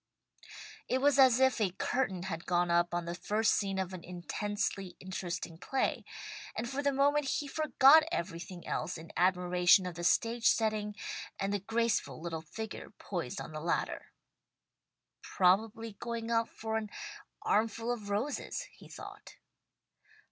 It was as if a curtain had gone up on the first scene of an intensely interesting play, and for the moment he forgot everything else in admiration of the stage setting, and the graceful little figure poised on the ladder. "Probably going up for an armful of roses," he thought.